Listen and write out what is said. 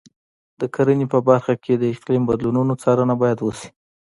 د کرنې په برخه کې د اقلیم بدلونونو څارنه باید وشي.